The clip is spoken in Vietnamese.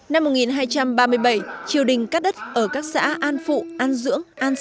năm một nghìn hai trăm ba mươi bảy triều đình cắt đất ở các xã an phụ an dưỡng